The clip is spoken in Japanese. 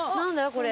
これ。